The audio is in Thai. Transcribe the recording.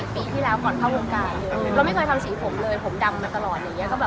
ผมดำมาตลอด